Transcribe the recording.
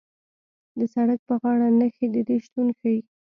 د سړک په غاړه نښې د دې شتون ښیي